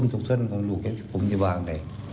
ทุกเส้นของลูกผมจะวางไป